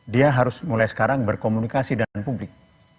dia harus mulai sekarang berkomunikasi dengan publik